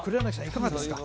いかがですか？